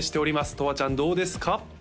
とわちゃんどうですか？